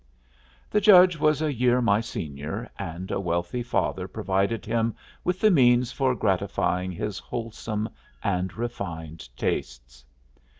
The Judge was a year my senior, and a wealthy father provided him with the means for gratifying his wholesome and refined tastes.